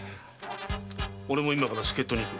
おれも今から助っ人に行く。